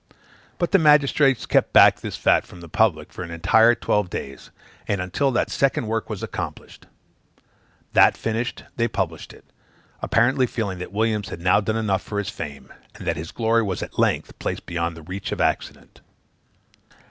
But the magistrates kept back this fact from the public for the entire twelve days, and until that second work was accomplished. That finished, they published it, apparently feeling that Williams had now done enough for his fame, and that his glory was at length placed beyond the reach of accident.